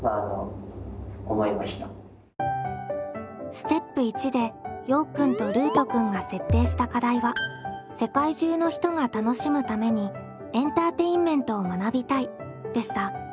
ステップ１でようくんとルートくんが設定した課題は「世界中の人が楽しむためにエンターテインメントを学びたい」でした。